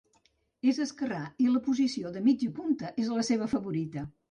És esquerrà, i la posició de mitja punta és la seva favorita.